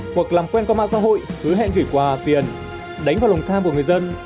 hoặc làm quen qua mạng xã hội hứa hẹn gửi quà tiền đánh vào lòng tham của người dân